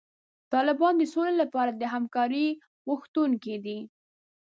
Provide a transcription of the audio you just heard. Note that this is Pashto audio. طالبان د سولې لپاره د همکارۍ غوښتونکي دي.